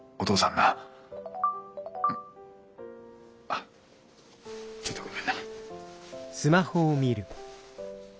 あっちょっとごめんね。